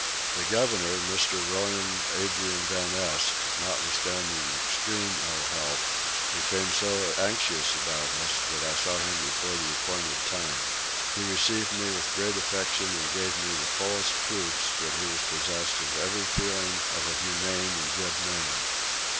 The governor, Mr. William Adrian van Este, notwithstanding extreme ill health, became so anxious about us that I saw him before the appointed time. He received me with great affection and gave me the fullest proofs that he was possessed of every feeling of a humane and good man.